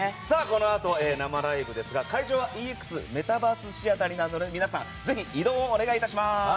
このあとは生ライブですが会場はＥＸメタバースシアターなのでぜひ移動をお願いします。